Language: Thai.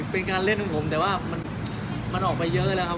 เป็นการเล่นของผมแต่ว่ามันออกไปเยอะแล้วครับ